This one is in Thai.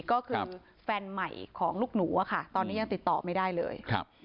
ก็คือแฟนใหม่ของลูกหนูอะค่ะตอนนี้ยังติดต่อไม่ได้เลยครับ